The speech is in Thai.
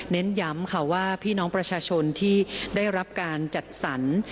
เน้นย้ำค่ะว่าพี่น้องประชาชนที่ได้รับการจัดสรร